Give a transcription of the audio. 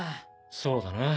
そうだな。